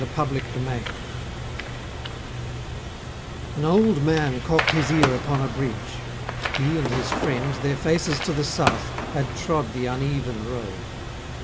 THE PHASES OF THE MOON _An old man cocked his ear upon a bridge; He and his friend, their faces to the South, Had trod the uneven road.